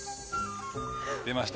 出ました。